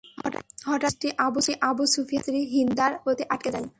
হঠাৎ তার দৃষ্টি আবু সুফিয়ানের স্ত্রী হিন্দার প্রতি আটকে যায়।